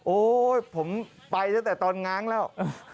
โอ๊ยผมไปตั้งแต่ตอนง้างแล้ว